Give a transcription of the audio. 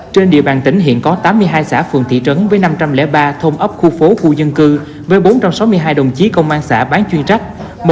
trên địa bàn tỉnh hiện có tám mươi hai xã phường thị trấn với năm trăm linh ba thôn ấp khu phố khu dân cư với bốn trăm sáu mươi hai đồng chí công an xã bán chuyên trách